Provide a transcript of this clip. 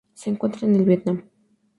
Se encuentra en el Vietnam.